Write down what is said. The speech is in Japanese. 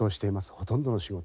ほとんどの仕事を。